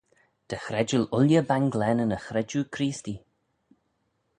Dy chredjal ooilley banglaneyn y chredjue Creestee.